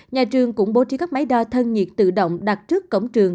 nhà trường cũng bố trí các máy đo thân nhiệt tự động đặt trước cổng trường